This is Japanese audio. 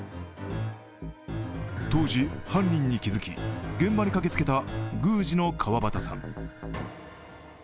当時、犯人に気づき、現場に駆けつけた宮司の川端さん。